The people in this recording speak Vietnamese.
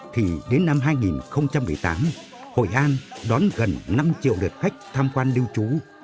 thì đến năm hai nghìn một mươi tám hội an đón gần năm lượt khách